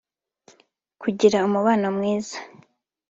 kugira umubano mwiza